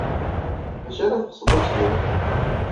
D acu ara teɣsed ad t-tged?